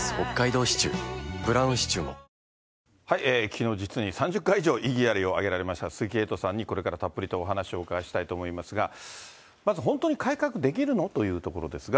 きのう、実に３０回以上、異議ありを挙げられました鈴木エイトさんにこれからたっぷりとお話をお伺いしたいと思いますが、まず本当に改革できるの？というところですが。